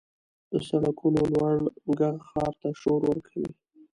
• د سړکونو لوړ ږغ ښار ته شور ورکوي.